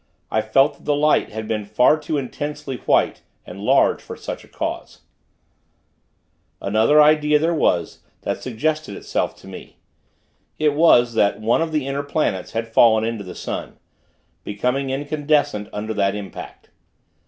I felt that the light had been far too intensely white, and large, for such a cause. Another idea there was, that suggested itself to me. It was, that one of the inner planets had fallen into the sun becoming incandescent, under that impact.